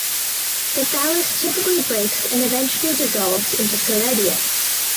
The thallus typically breaks and eventually dissolves into soredia.